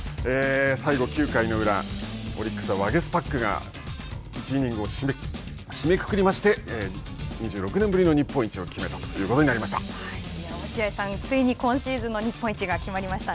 最後、９回裏オリックスはワゲスパックが１イニングを締めくくりまして２６年ぶりの日本一を決めたとい落合さん、ついに今シーズンの日本一が決まりました。